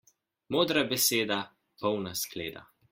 Modra beseda, polna skleda.